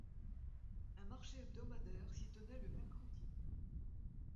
Un marché hebdomadaire s'y tenait le mercredi.